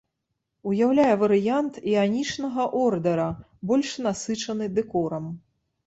Уяўляе варыянт іанічнага ордара, больш насычаны дэкорам.